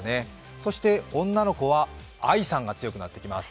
そして女の子は愛さんが強くなってきます。